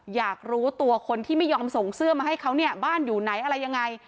อยากรู้ตัวคนที่ไม่ยอมส่งเสื้อมาให้เขาเนี่ยบ้านอยู่ไหนอะไรยังไง